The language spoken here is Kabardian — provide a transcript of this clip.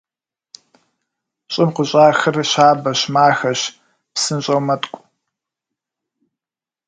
Щӏым къыщӏахыр щабэщ, махэщ, псынщӏэу мэткӏу.